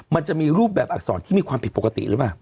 มันจะมีรูปแบบอักษรที่มีความผิดปกติหรือเปล่า